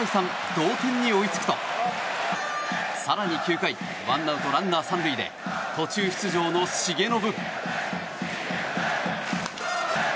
同点に追いつくと更に９回ワンアウトランナー３塁で途中出場の重信。